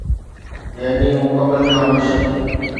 يعني مڪمل خاموشي.